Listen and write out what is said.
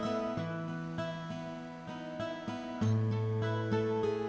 gw irish sebagai anwis